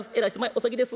お先です。